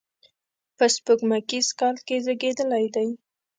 په سپوږمیز کال کې زیږېدلی دی.